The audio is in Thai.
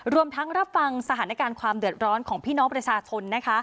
รวมทั้งรับฟังสถานการณ์ความเดือดร้อนของพี่น้องประชาชนนะคะ